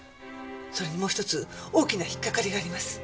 それにもう一つ大きな引っかかりがあります。